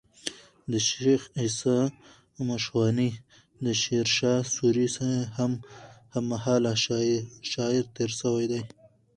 شېخ عیسي مشواڼى د شېرشاه سوري هم مهاله شاعر تېر سوی دئ.